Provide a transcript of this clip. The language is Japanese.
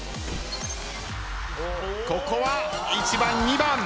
ここは１番２番。